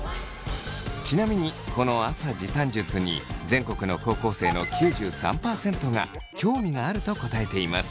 ちなみにこの朝時短術に全国の高校生の９３％が興味があると答えています。